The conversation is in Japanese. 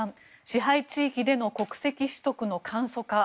支配地域での国籍取得の簡素化